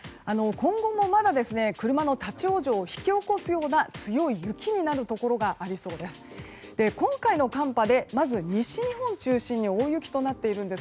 今後もまだ車の立ち往生を引き起こすような強い雪になるところがありそうです。